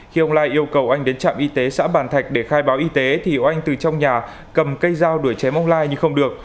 khi ông lai yêu cầu anh đến trạm y tế xã bàn thạch để khai báo y tế thì oanh từ trong nhà cầm cây dao đuổi chém ông lai nhưng không được